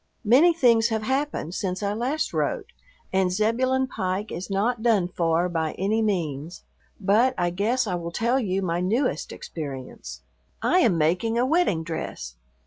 Many things have happened since I last wrote, and Zebulon Pike is not done for by any means, but I guess I will tell you my newest experience. I am making a wedding dress.